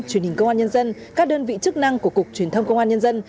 truyền hình công an nhân dân các đơn vị chức năng của cục truyền thông công an nhân dân